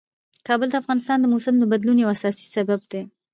کابل د افغانستان د موسم د بدلون یو اساسي سبب دی.